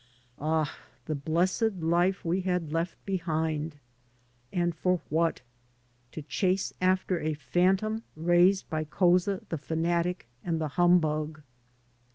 Ah, the blessed life we had left behind! And for what? To chase after a phantom raised by Couza the fanatic and the humbug.